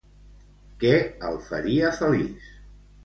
Què el faria feliç?